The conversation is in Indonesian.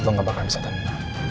lo gak bakal bisa teman aku